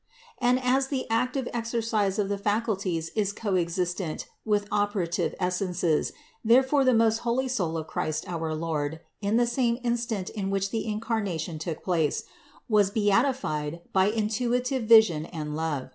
And as the active exercise of the faculties is co existent with operative essences, therefore the most holy soul of Christ our Lord, in the same in stant in which the Incarnation took place, was beatified by intuitive vision and love.